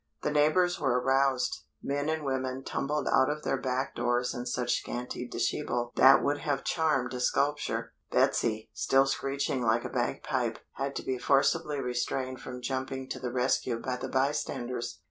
The neighbours were aroused. Men and women tumbled out of their back doors in such scanty dishabille that would have charmed a sculptor. Betsy, still screeching like a bagpipe, had to be forcibly restrained from jumping to the rescue by the bystanders.